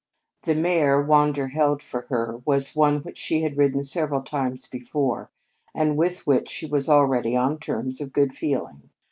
The mare Wander held for her was one which she had ridden several times before and with which she was already on terms of good feeling.